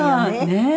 ねえ。